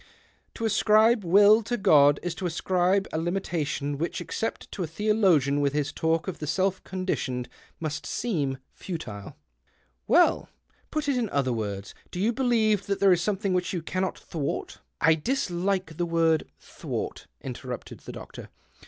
To ascribe will to God is to ascribe a limitation which, except to a theologian with his talk of the self conditioned, must seem futile." " Well, put it in other words : Do you believe that there is something which you cannot thwart "" I dislike the word ' thwart,' " interrupted the doctor.